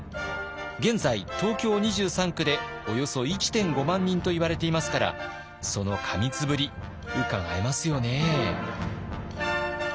現在東京２３区でおよそ１．５万人といわれていますからその過密ぶりうかがえますよね。